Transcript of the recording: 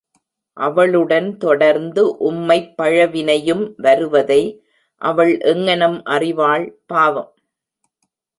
அவளுடன் தொடர்ந்து உம்மைப்பழவினை யும் வருவதை அவள் எங்ஙனம் அறிவாள், பாவம்?